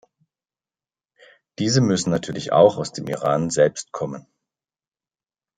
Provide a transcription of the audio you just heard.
Diese müssen natürlich auch aus dem Iran selbst kommen.